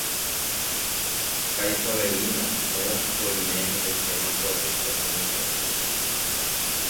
ha Isabelina, moõpiko oime hetaitémako ajepy'amongeta hese